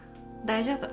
大丈夫。